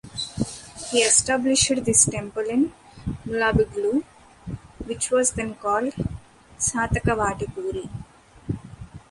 He established this temple in Mulabagilu, which was then called Shathaka Vatipuri.